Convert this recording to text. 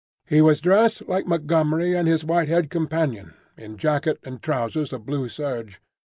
He was dressed like Montgomery and his white haired companion, in jacket and trousers of blue serge.